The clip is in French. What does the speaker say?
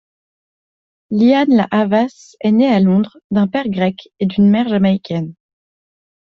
Lianne La Havas est née à Londres, d'un père grec et d'une mère jamaïcaine.